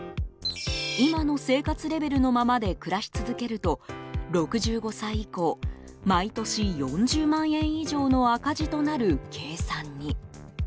今の生活レベルのままで暮らし続けると６５歳以降、毎年４０万円以上の赤字となる計算に。